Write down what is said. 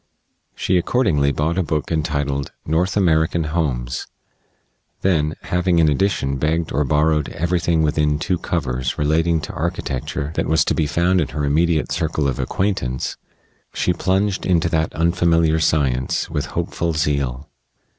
She accordingly bought a book entitled "North American Homes"; then, having, in addition, begged or borrowed everything within two covers relating to architecture that was to be found in her immediate circle of acquaintance, she plunged into that unfamiliar science with hopeful zeal.